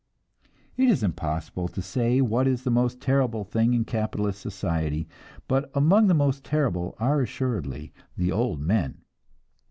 It is impossible to say what is the most terrible thing in capitalist society, but among the most terrible are assuredly the old men.